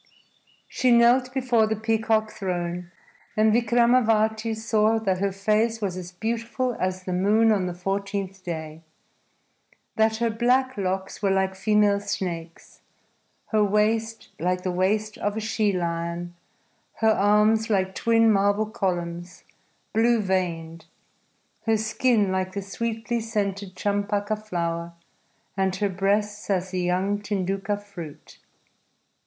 She knelt before the peacock throne, and Vikramavati saw that her face was as beautiful as the moon on the fourteenth day, that her black locks were like female snakes, her waist like the waist of a she lion, her arms like twin marble columns blue veined, her skin like the sweetly scented champaka flower, and her breasts as the young tinduka fruit.